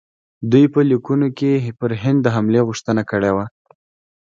دوی په لیکونو کې پر هند د حملې غوښتنه کړې وه.